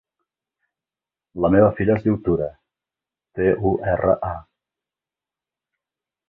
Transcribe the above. La meva filla es diu Tura: te, u, erra, a.